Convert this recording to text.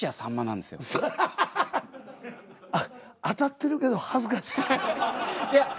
当たってるけど恥ずかしい。